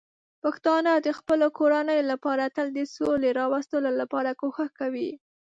پښتانه د خپلو کورنیو لپاره تل د سولې راوستلو لپاره کوښښ کوي.